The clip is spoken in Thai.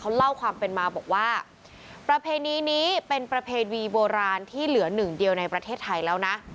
เล่าความเป็นมาบอกว่าประเพณีนี้เป็นประเพณีโบราณที่เหลือหนึ่งเดียวในประเทศไทยแล้วนะ